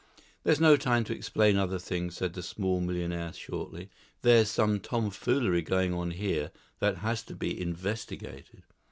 "There's no time to explain other things," said the small millionaire shortly. "There's some tomfoolery going on here that has to be investigated."